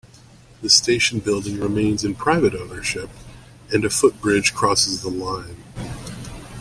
The station building remains in private ownership, and a footbridge crosses the line.